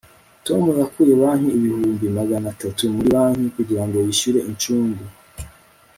tom yakuye banki ibihumbi magana atatu muri banki kugirango yishyure incungu